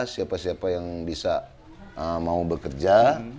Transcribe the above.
siapa siapa yang bisa mau bekerja